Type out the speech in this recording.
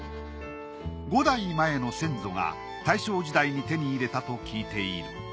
５代前の先祖が大正時代に手に入れたと聞いている。